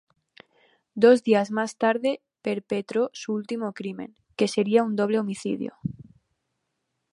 Dos días más tarde perpetró su último crimen, que sería un doble homicidio.